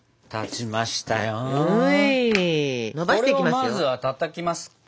これをまずはたたきますか？